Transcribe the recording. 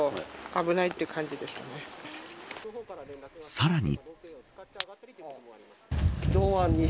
さらに。